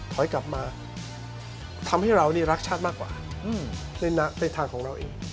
ถอยกลับมาทำให้เรานี่รักชาติมากกว่าในทางของเราเอง